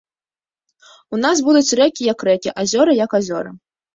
У нас будуць рэкі як рэкі, азёры як азёры.